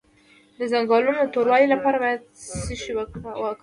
د څنګلو د توروالي لپاره باید څه شی وکاروم؟